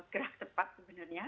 gerak tepat sebenarnya